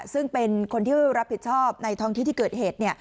ซึ่งเป็นคนที่รับผิดชอบในท้องที่ที่เกิดเหตุ